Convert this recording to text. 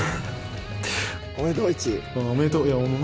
おめでとう、１位。